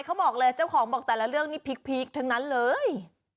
เขาบอกเลยเจ้าของบอกแต่ละเรื่องนี่พีคทั้งนั้นเลย